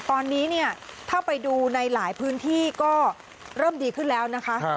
ตอนนี้เนี่ยถ้าไปดูในหลายพื้นที่ก็เริ่มดีขึ้นแล้วนะคะ